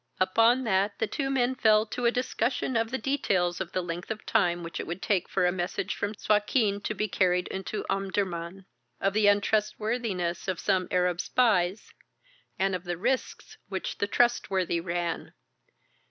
Upon that the two men fell to a discussion of the details of the length of time which it would take for a message from Suakin to be carried into Omdurman, of the untrustworthiness of some Arab spies, and of the risks which the trustworthy ran.